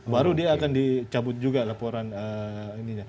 baru dia akan dicabut juga laporan ininya